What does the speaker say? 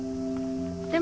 でも。